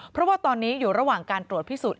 เพราะว่าตอนนี้อยู่ระหว่างการตรวจพิสูจน